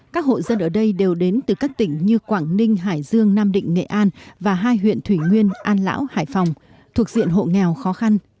các hộ dân ở đây đều đến từ các tỉnh như quảng ninh hải dương nam định nghệ an và hai huyện thủy nguyên an lão hải phòng thuộc diện hộ nghèo khó khăn